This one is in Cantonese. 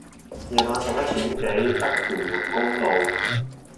夜晚十一點幾塞屯門公路